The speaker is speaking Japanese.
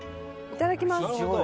いただきます。